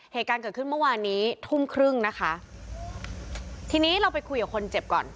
เหตุการณ์เกิดขึ้นเมื่อวานนี้ทุ่มครึ่งนะคะทีนี้เราไปคุยกับคนเจ็บก่อน